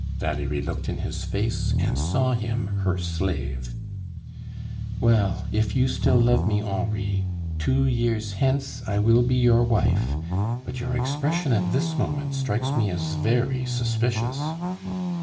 Valerie looked in his face, and saw him her slave. "Well, if you still love me, Henri, two years hence I will be your wife; but your expression at this moment strikes me as very suspicious."